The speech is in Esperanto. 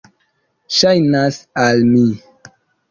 Ŝajnas al mi.